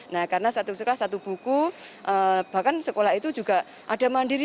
nah karena satu sekolah satu buku bahkan sekolah itu juga ada mandiri